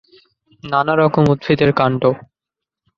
নানা রকম উদ্ভিদের কাণ্ড